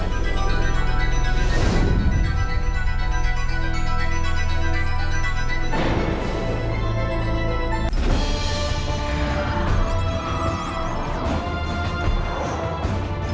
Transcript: มันก็เป็นกระบวนท่าของการที่เขามีเหตุจะทำอะไรต่อมิ